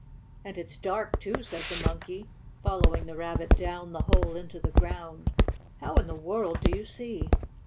"And it's dark, too," said the Monkey, following the Rabbit down the hole into the ground. "How in the world do you see?"